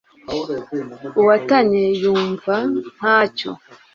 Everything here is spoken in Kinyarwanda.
uwatanye yumva nta cyo